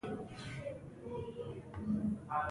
د حویلۍ په مېنځ کې د قضای حاجت رفع کول سخت تمامېدل.